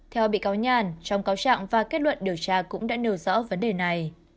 theo bị cáo nhàn trong cáo trạng và kết luận điều tra cũng đã nêu rõ vấn đề này